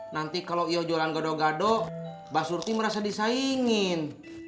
nanti kalau iyo jualan gadoh gadoh mbak surti merasa disaingin